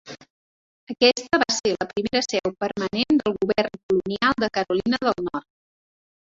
Aquesta va ser la primera seu permanent del govern colonial de Carolina del Nord.